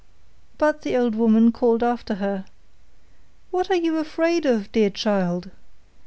But the old woman called after her, 'What are you afraid of, dear child?